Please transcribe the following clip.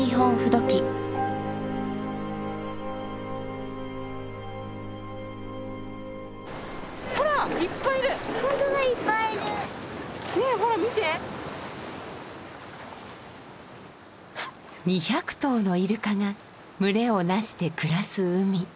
２００頭のイルカが群れを成して暮らす海。